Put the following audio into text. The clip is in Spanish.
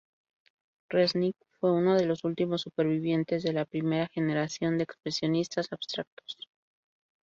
Resnick fue uno de los últimos supervivientes de la primera generación de expresionistas abstractos.